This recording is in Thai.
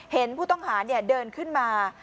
เห็นผู้ต้องหาเดินขึ้นมา